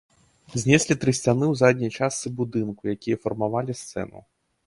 Знеслі тры сцяны ў задняй частцы будынку, якія фармавалі сцэну.